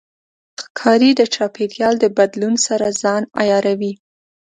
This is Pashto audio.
ښکاري د چاپېریال د بدلون سره ځان عیاروي.